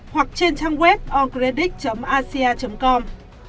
hoặc trên trang web oncredit asia com